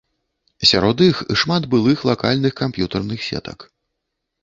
Сярод іх шмат былых лакальных камп'ютарных сетак.